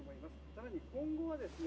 さらに今後はですね